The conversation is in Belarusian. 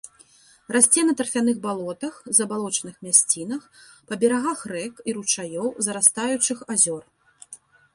Расце на тарфяных балотах, забалочаных мясцінах, па берагах рэк і ручаёў, зарастаючых азёр.